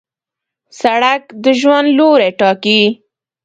سړک د ژوند لوری ټاکي.